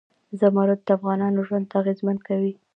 زمرد د افغانانو ژوند اغېزمن کوي.